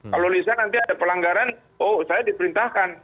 kalau lisa nanti ada pelanggaran oh saya diperintahkan